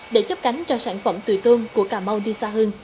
để chấp cánh cho sản phẩm tùy tôm của cà mau đi xa hơn